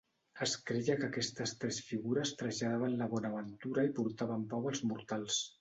Es creia que aquestes tres figures traslladaven la bonaventura i portaven pau als mortals.